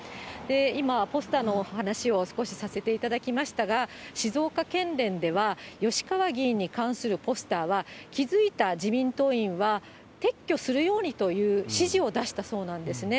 今、ポスターの話を少しさせていただきましたが、静岡県連では、吉川議員に関するポスターは、気付いた自民党員は撤去するようにという指示を出したそうなんですね。